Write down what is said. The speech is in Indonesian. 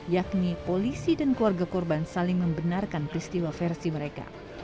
yakni polisi dan keluarga korban saling membenarkan peristiwa versi mereka